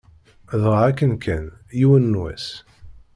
Dɣa akken-kan, yiwen n wass.